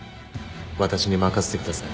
私に任せてください